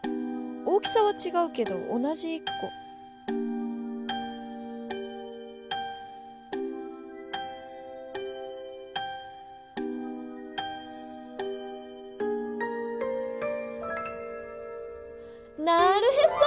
大きさはちがうけど同じ１こ。なるへそ！